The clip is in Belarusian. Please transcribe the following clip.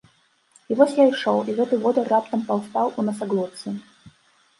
І вось я ішоў, і гэты водар раптам паўстаў у насаглотцы.